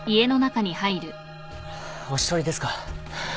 お一人ですか。